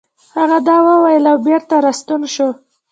هغه دا وويل او بېرته راستون شو.